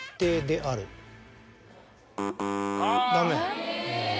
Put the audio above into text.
ダメ。